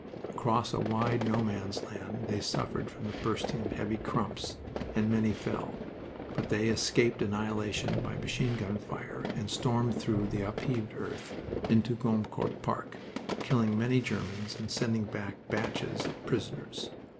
Across a wide No Man's Land they suffered from the bursting of heavy crumps, and many fell. But they escaped annihilation by machine gun fire and stormed through the upheaved earth into Gommecourt Park, killing many Germans and sending back batches of prisoners.